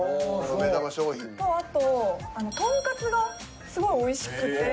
目玉商品。とあととんかつがすごいおいしくて。